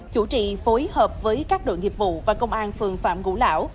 chủ trị phối hợp với các đội nghiệp vụ và công an phường phạm ngũ lão